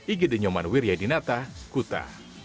igi denyoman wiryadinata kuta